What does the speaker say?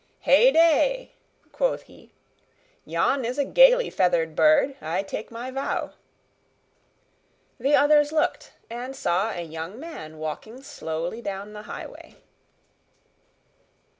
"Heyday!" quoth he, "yon is a gaily feathered bird, I take my vow." The others looked and saw a young man walking slowly down the highway.